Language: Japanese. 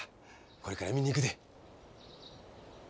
これから見に行くで。